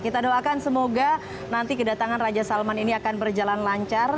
kita doakan semoga nanti kedatangan raja salman ini akan berjalan lancar